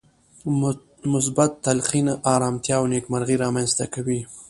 مثبت تلقين ارامتيا او نېکمرغي رامنځته کوي.